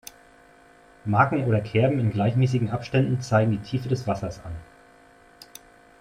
Marken oder Kerben in gleichmäßigen Abständen zeigen die Tiefe des Wassers an.